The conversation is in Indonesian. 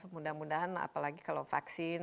mudah mudahan apalagi kalau vaksin